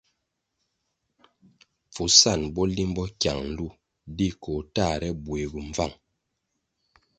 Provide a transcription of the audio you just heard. Pfusan bo limbo kyang nlu di koh tahre buegi mbvang.